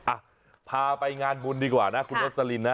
อ่ะพาไปงานบุญดีกว่านะคุณโรสลินนะ